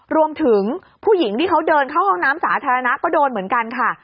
รวมถึงผู้หญิงที่เขาเดินเข้าห้องน้ำสาธารณะก็โดนเหมือนกันค่ะ